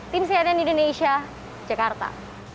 tim cnn indonesia jakarta